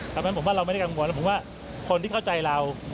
ผมว่าเราไม่ได้กังวลผมว่าคนที่เข้าใจเรา